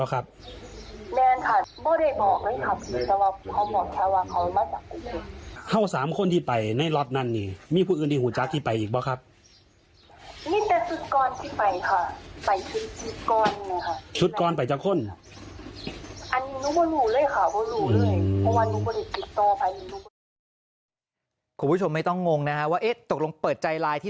ก็บอกว่าไปอยู่ที่จีนพร้อมกันเลยกับ๒คนก่อนหน้านั้นแหละ